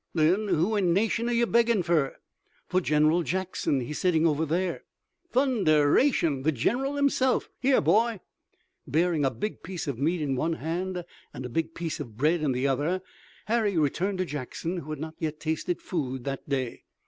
"Then who in nation are you beggin' fur?" "For General Jackson. He's sitting over there." "Thunderation! The gen'ral himself! Here, boy!" Bearing a big piece of meat in one hand and a big piece of bread in the other Harry returned to Jackson, who had not yet tasted food that day.